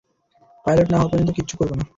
Pilot না হওয়া পর্যন্ত, কিচ্ছু করব না।